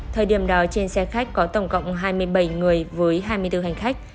thời điểm đó trên xe khách có tổng cộng hai mươi bảy người với hai mươi bốn hành khách